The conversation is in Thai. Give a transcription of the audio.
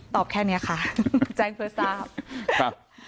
ตอบแค่นี้ค่ะแจ้งเพลิดสาบ